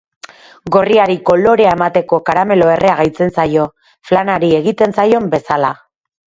Gorriari kolorea emateko karamelo errea gehitzen zaio, flanari egiten zaion bezala.